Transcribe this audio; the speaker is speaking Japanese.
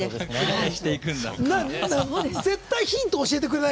絶対ヒント教えてくれない。